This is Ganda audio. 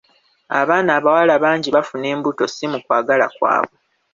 Abaana abawala bangi bafuna embuto si mu kwagala kwabwe.